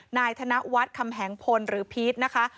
นายธนวัฒน์คำแหงพลหรือพีชนะคะ